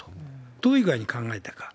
どういう具合に考えたか。